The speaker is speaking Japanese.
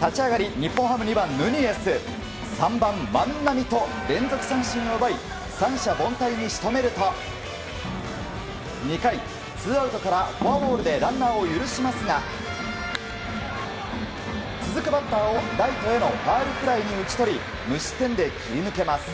立ち上がり日本ハム２番、ヌニエス３番、万波と連続三振を奪い三者凡退に仕留めると２回、ツーアウトからフォアボールでランナーを許しますが続くバッターを、ライトへのファウルフライに打ち取り無失点で切り抜けます。